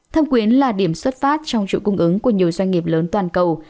thâm quyến là điểm xuất phát trong chuỗi cung ứng của nhiều doanh nghiệp lớn toàn cầu